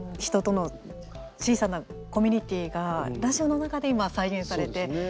人との小さなコミュニティーがラジオの中で今、再現されて。